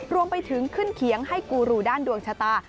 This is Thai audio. รวมไปถึงขึ้นเขียงให้กูรูด้านดวงชะตา